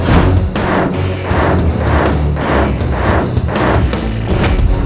apa pukulan infrastruktur itoh